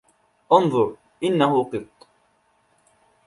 انظر! إنّه قطّ.